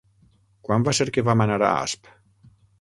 Quan va ser que vam anar a Asp?